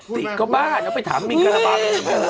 ตี๋ก็บ้าไปถามวิ่งกระบาด